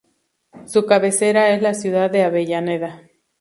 Su cabecera es la ciudad de Avellaneda.